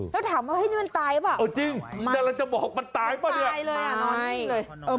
แล้วถามว่าเฮ้ยนี่มันตายหรือเปล่าเออจริงแต่เราจะบอกมันตายป่ะเนี่ยตายเลยอ่ะนอนนิ่งเลย